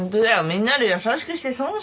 みんなで優しくして損したわ。